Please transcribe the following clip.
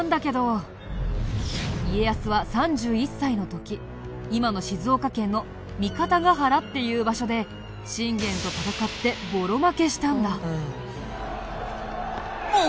家康は３１歳の時今の静岡県の三方ヶ原っていう場所で信玄と戦ってボロ負けしたんだ。